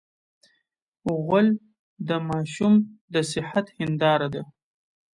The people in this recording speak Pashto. غول د ماشوم د صحت هنداره ده.